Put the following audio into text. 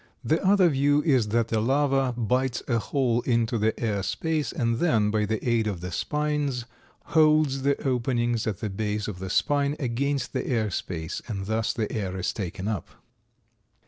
The other view is that the larva bites a hole into the air space and then, by the aid of the spines, holds the openings at the base of the spine against the air space and thus the air is taken up.